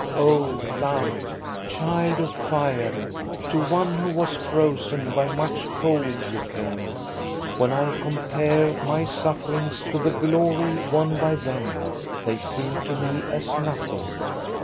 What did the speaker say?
O Love, child of fire, to one who was frozen by much cold you came. When I compare my sufferings to the glory won by them, they seem to me as nothing.